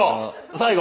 最後！